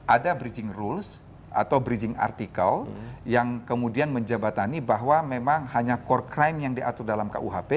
ada bridging rules atau bridging artikel yang kemudian menjabatani bahwa memang hanya core crime yang diatur dalam kuhp